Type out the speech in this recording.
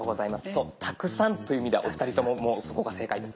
そうたくさんという意味ではお二人とももうそこが正解です。